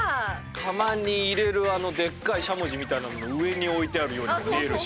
窯に入れるあのでっかいしゃもじみたいなのの上に置いてあるようにも見えるし。